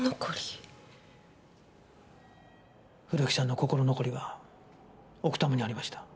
古木さんの心残りは奥多摩にありました。